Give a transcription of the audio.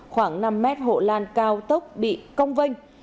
khoảng năm m hộ lan cao tốc bị cong vênh